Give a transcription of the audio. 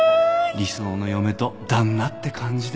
理想の嫁と旦那って感じで